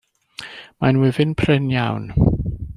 Mae'n wyfyn prin iawn.